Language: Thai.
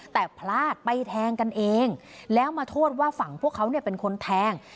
แต่พลาดไปแทงกันเองแล้วมาโทษว่าฝั่งพวกเขาเนี่ยเป็นคนแทง